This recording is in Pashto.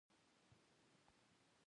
په خاوره کې هر څه سکوت ته تسلیم دي.